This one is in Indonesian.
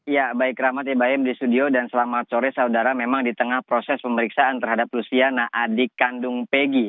ya baik rahmat ibayem di studio dan selamat sore saudara memang di tengah proses pemeriksaan terhadap luciana adik kandung pegi